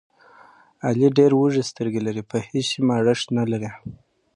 علي ډېرې وږې سترګې لري، په هېڅ شي مړښت نه لري.